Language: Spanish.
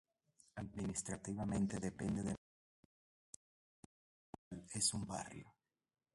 Administrativamente depende del municipio de Estancia Grande, del cual es un barrio.